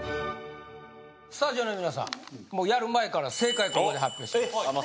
スタジオの皆さんやる前から正解ここで発表します